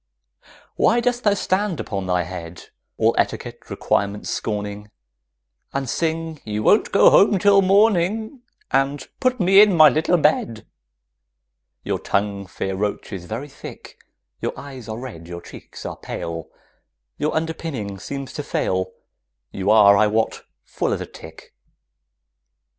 Why dost thou stand upon thy head, All etiquette requirements scorning, And sing "You won't go home till morning" And "Put me in my little bed"? Your tongue, fair roach, is very thick, Your eyes are red, your cheeks are pale, Your underpinning seems to fail, You are, I wot, full as a tick.